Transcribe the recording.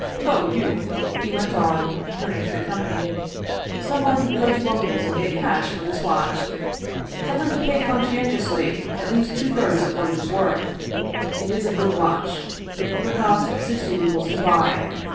Ho, you! " he went 195 Russian Mystery Stories on, turning to the company, " some one go to uncle's and get cash for this watch; tell him to pay conscientiously at least two thirds of what it is worth; it is a good watch. It would cost sixty rubles to buy.